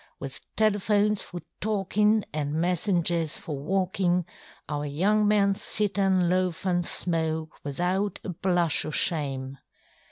With telephones for talkinŌĆÖ, anŌĆÖ messengers for walkinŌĆÖ, Our young men sit anŌĆÖ loaf anŌĆÖ smoke, without a blush oŌĆÖ shame.